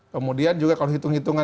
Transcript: kemudian juga kalau hitung hitungan